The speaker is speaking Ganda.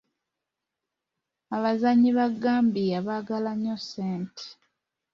Abazannyi ba Gambia baagala nnyo ssente.